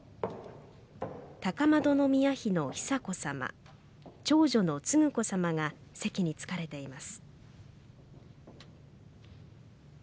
高円宮妃の久子さま長女の承子さまが席に着かれています。